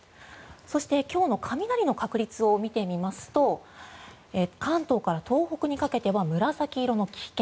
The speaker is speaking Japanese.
そして、今日の雷の確率を見てみますと関東から東北にかけては紫色の危険。